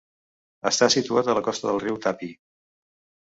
Està situat a la costa del riu Tapi.